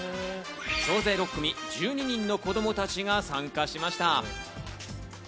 総勢６組１２人の子供たちが参加しました。